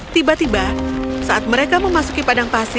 tiba tiba saat mereka memasuki padang pasir